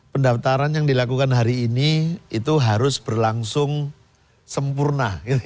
pendaftaran yang dilakukan hari ini itu harus berlangsung sempurna